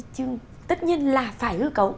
chứ tất nhiên là phải hư cấu